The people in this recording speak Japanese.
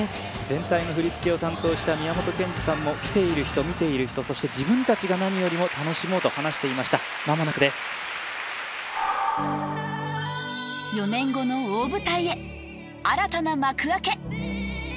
全体の振り付けを担当した宮本賢二さんも来ている人見ている人そして自分達が何よりも楽しもうと話していましたまもなくです４年後の大舞台へ新たな幕開け